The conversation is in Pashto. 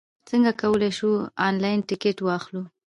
څنګه کولای شو، انلاین ټکټ واخلو؟